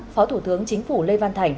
phó thủ tướng chính phủ lê văn thành